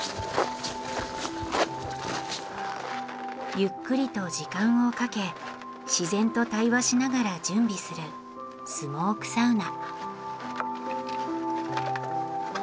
ゆっくりと時間をかけ自然と対話しながら準備するスモークサウナ。